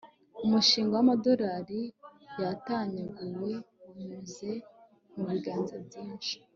umushinga w'amadolari yatanyaguwe wanyuze mu biganza byinshi